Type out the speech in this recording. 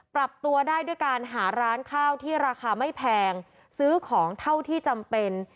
ปรับตัวได้ด้วยการหาร้านข้าวที่ราคาไม่แพงซื้อของเท่าที่จำเป็น